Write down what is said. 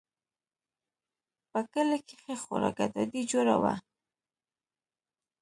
په کلي کښې خورا گډوډي جوړه وه.